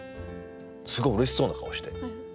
すごいうれしそうな顔して。